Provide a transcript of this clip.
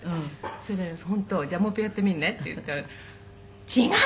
それでね“本当じゃあもういっぺんやってみるね”って言ったら“違う。